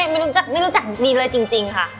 ไม่รู้จักไม่รู้จักดีเลยจริงค่ะ